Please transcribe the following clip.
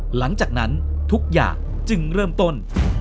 หลังจากนั้นทุกอย่างจึงเริ่มต้น